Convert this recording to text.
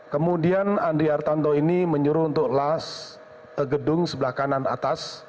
kemudian andri hartanto ini menyuruh untuk las gedung sebelah kanan atas